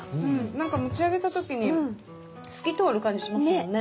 なんか持ち上げた時に透き通る感じしますもんね。